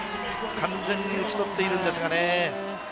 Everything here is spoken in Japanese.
完全に打ち取っているんですがね。